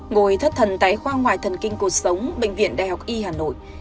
ngồi thất thần tái khoa ngoài thần kinh cuộc sống bệnh viện đại học y hà nội